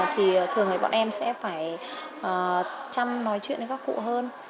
thì thường thì bọn em sẽ phải chăm nói chuyện với các cụ hơn